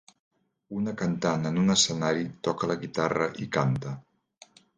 Una cantant en un escenari toca la guitarra i canta.